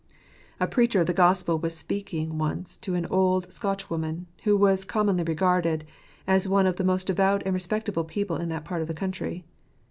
A preacher of the Gospel was once speaking to an old Scotchwoman, who was commonly regarded as one of the most devout and respectable people in that part of the country.